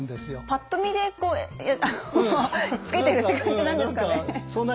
ぱっと見で付けてるって感じなんですかね。